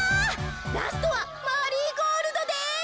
ラストはマリーゴールドです。